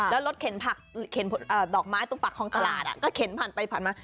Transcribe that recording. แล้วรถเข็นผักเข็นดอกไม้ตรงปากคลองตลาดก็เข็นผ่านไปผ่านมา